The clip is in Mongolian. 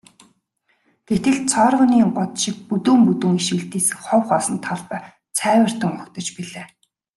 Гэтэл цооргонын год шиг бүдүүн бүдүүн иш үлдээсэн хов хоосон талбай цайвартан угтаж билээ.